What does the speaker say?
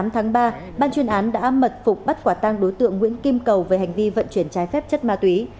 tám tháng ba ban chuyên án đã mật phục bắt quả tăng đối tượng nguyễn kim cầu về hành vi vận chuyển trái phép chất ma túy